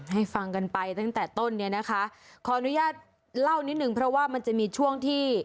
ให้ฟังกันไปตั้งแต่ต้นเนี่ยนะคะขออนุญาตเล่านิดนึงเพราะว่ามันจะมีช่วงที่